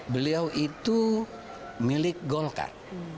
beliau itu milik golkar